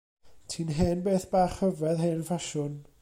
Ti'n hen beth bach rhyfedd hen ffasiwn.